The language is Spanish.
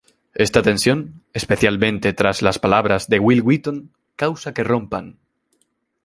Esta tensión, especialmente tras las palabras de Wil Wheaton, causa que rompan.